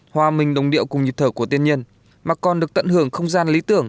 hoa minh đồng điệu cùng nhịp thở của tiên nhân mà còn được tận hưởng không gian lý tưởng